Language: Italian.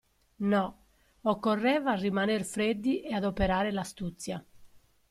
No, occorreva rimaner freddi e adoperare l'astuzia.